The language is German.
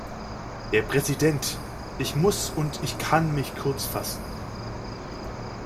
Herr Präsident! Ich muss und ich kann mich kurzfassen.